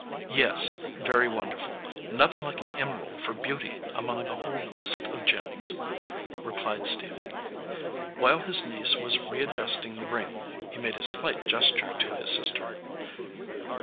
"Yes, very wonderful. Nothing like an emerald for beauty among the whole list of gems," replied Stephen. While his niece was readjusting the ring he made a slight gesture to his sister.